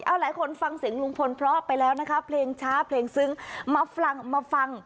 เอาหลายคนฟังเสียงลุงพลเพราะไปแล้วนะคะเพลงช้าเพลงซึ้งมาฟังมาฟัง